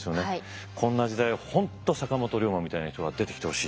こんな時代本当坂本龍馬みたいな人が出てきてほしい。